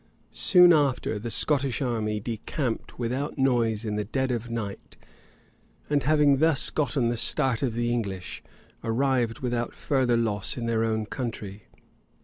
[*] Soon after, the Scottish army decamped without noise in the dead of night; and having thus gotten the start of the English, arrived without further loss in their own country.